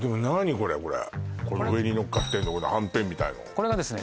これこれこの上にのっかってんのこのはんぺんみたいなのこれがですね